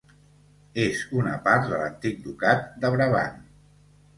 És una part de l'antic ducat de Brabant.